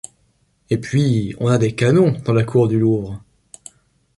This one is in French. Et puis on a des canons dans la cour du Louvre.